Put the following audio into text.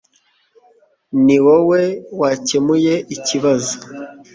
Ni wowe wakemuye ikibazo